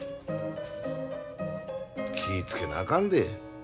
気ぃ付けなあかんで。